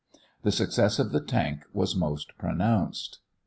The success of the tank was most pronounced.